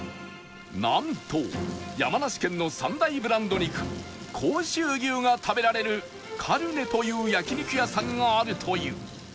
なんと山梨県の３大ブランド肉甲州牛が食べられるカルネという焼肉屋さんがあるという